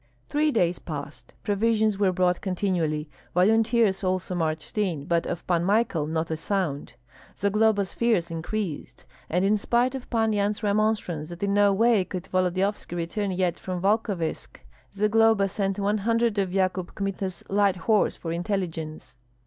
Three days passed. Provisions were brought continually, volunteers also marched in, but of Pan Michael not a sound. Zagloba's fears increased, and in spite of Pan Yan's remonstrance that in no way could Volodyovski return yet from Volkovysk, Zagloba sent one hundred of Yakub Kmita's light horse for intelligence.